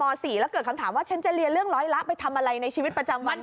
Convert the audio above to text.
๔แล้วเกิดคำถามว่าฉันจะเรียนเรื่องร้อยละไปทำอะไรในชีวิตประจำวัน